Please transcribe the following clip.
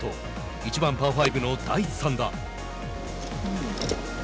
１番パー５の第３打。